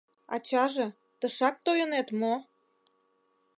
Ачаже, тышак тойынет мо?